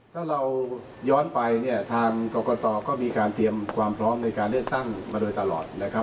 ถ้าเราย้อนไปเนี่ยทางกรกตก็มีการเตรียมความพร้อมในการเลือกตั้งมาโดยตลอดนะครับ